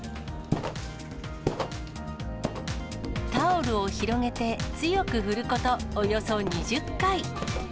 タオルを広げて強く振ること、およそ２０回。